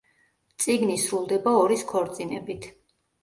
წიგნი სრულდება ორის ქორწინებით.